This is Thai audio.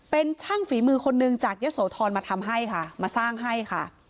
เป็นช่างฝีมือคนนึงจากเยอะโสธรมาทำให้ค่ะมาสร้างให้ค่ะ